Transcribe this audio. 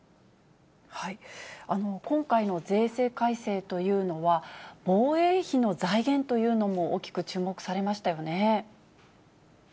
今回の税制改正というのは、防衛費の財源というのも大きく注目されましたよね。